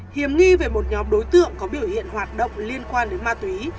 hiếm nghi về một nhóm đối tượng có biểu hiện hoạt động liên quan đến ma túy